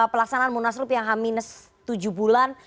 pelaksanaan munaslup yang h tujuh bulan